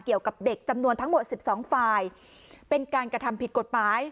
เกี่ยวกับเด็กจำนวนทั้งหมด๑๒ฝ่ายเป็นการกระทำผิดกฎหมาย